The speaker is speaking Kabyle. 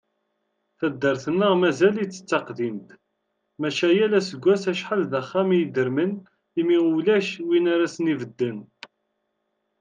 Taddart-nneɣ mazal-itt d taqdimt, maca yal aseggas acḥal d axxam i idermen, imi ulac win ara asen-ibedden.